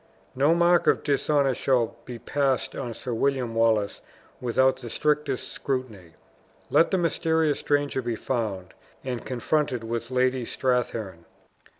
"No mark of dishonor shall be passed on Sir William Wallace without the strictest scrutiny. Let the mysterious stranger be found, and confronted with Lady Strathearn."